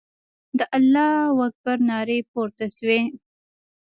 د الله اکبر نارې پورته سوې.